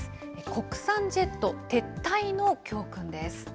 国産ジェット撤退の教訓です。